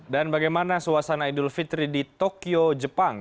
dan bagaimana suasana idul fitri di tokyo jepang